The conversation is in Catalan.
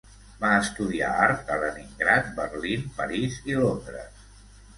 Va estudiar art a Leningrad, Berlín, París i Londres.